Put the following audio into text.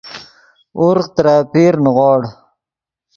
ورغ ترے اپیر نیغوڑ